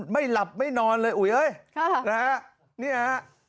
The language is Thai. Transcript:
ไม่หลับไม่นอนเลยอุ๊ยนะฮะ